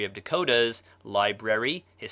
of Dakotas," Library, Hist.